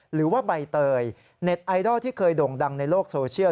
หรือว่าใบเตยเน็ตไอดอลที่เคยด่งดังในโลกโซเชียล